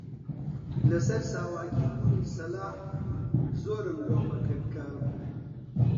لەسەر ساواکی بوونی سەلاح زۆرم لۆمە کرد کە: